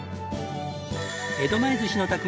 江戸前寿司の匠